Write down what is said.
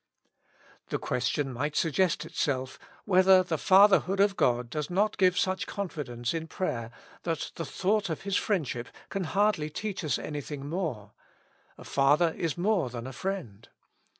The question might suggest itself, whether the Fatherhood of God does not give such confidence in prayer that the thought of His friendship can hardly teach us anything more : a father is more than a friend.